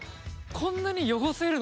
「こんなに汚せるの？